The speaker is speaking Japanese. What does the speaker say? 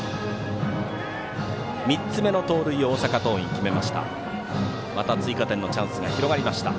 ３つ目の盗塁を大阪桐蔭、決めました。